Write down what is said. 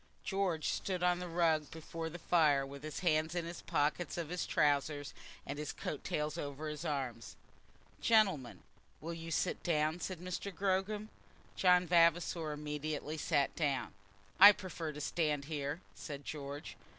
George stood on the rug before the fire, with his hands in the pockets of his trousers, and his coat tails over his arms. "Gentlemen, will you sit down?" said Mr. Gogram. John Vavasor immediately sat down. "I prefer to stand here," said George. Mr.